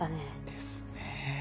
ですね。